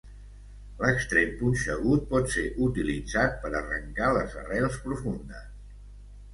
L'extrem punxegut pot ser utilitzat per arrancar les arrels profundes.